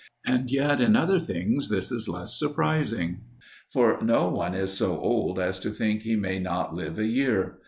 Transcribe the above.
And yet in other things this is less surprising; for no one is so old as to think that he may not live a year.